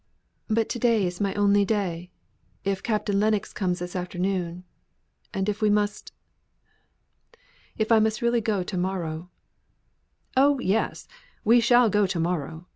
"But to day is my only day; if Captain Lennox comes this after noon, and if we must if I must really go to morrow " "Oh, yes, we shall go to morrow.